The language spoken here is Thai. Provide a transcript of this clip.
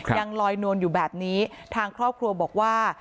ยังลอยนวลอยู่แบบนี้ทางครอบครัวบอกว่า